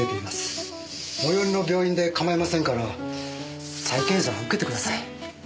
最寄りの病院で構いませんから再検査を受けてください。